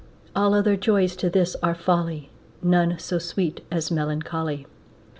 All other joys to this are folly, None so sweet as melancholy.